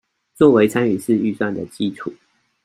作為參與式預算的基礎